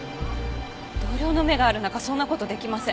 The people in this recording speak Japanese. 同僚の目がある中そんな事出来ません。